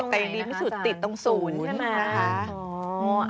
แต่ยังดีไม่สุดติดตรง๐นะคะ